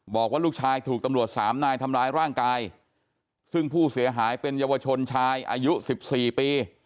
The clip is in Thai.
บอกว่าลูกชายถูกตำรวจสามนายทำร้ายร่างกายซึ่งผู้เสียหายเป็นเยาวชนชายอายุสิบสี่ปี